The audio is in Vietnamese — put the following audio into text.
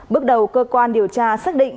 bước đầu cơ quan điều tra xác định